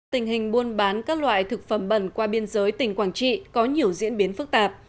tình hình buôn bán các loại thực phẩm bẩn qua biên giới tỉnh quảng trị có nhiều diễn biến phức tạp